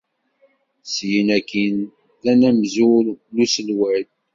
Syin akkin d Anamzul n Uselway.